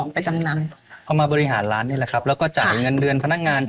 เพราะว่าเราคู้มาทั้งหมด๓หมื่น